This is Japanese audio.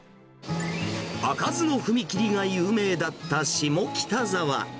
開かずの踏切が有名だった下北沢。